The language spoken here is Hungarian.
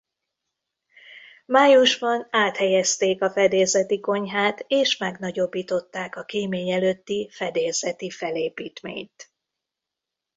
Májusban áthelyezték a fedélzeti konyhát és megnagyobbították a kémény előtti fedélzeti felépítményt.